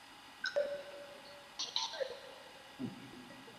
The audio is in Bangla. সেই আঘাতের শক্তি ও তীব্রতা আসে একাগ্রতা হইতে।